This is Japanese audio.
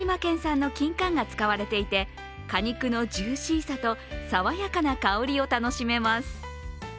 こちらは鹿児島県産のきんかんが使われていて果肉のジューシーさと爽やかな香りを楽しめます。